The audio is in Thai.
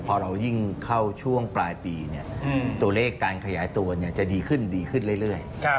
พอเรายิ่งเข้าช่วงปลายปีตัวเลขการขยายตัวจะดีขึ้นดีขึ้นเรื่อย